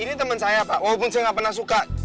ini teman saya pak walaupun saya nggak pernah suka